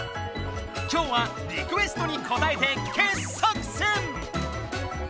きょうはリクエストにこたえて傑作選！